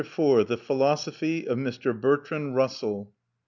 IV THE PHILOSOPHY OF MR. BERTRAND RUSSELL I.